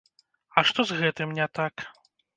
А што з гэтым не так?